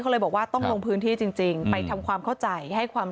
เขาเลยบอกว่าต้องลงพื้นที่จริงจริงไปทำความเข้าใจให้ความ